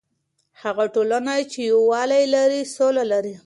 هغه ټولنه چې یووالی لري، سوله لري.